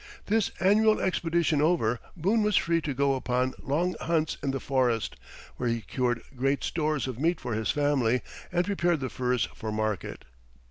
This annual expedition over, Boone was free to go upon long hunts in the forest, where he cured great stores of meat for his family and prepared the furs for market.